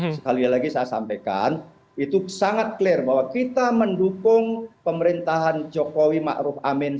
sekali lagi saya sampaikan itu sangat clear bahwa kita mendukung pemerintahan jokowi ma'ruf amin